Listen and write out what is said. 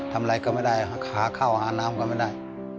ทำอะไรก็ไม่ได้ขาเข้าหาน้ำก็ไม่ได้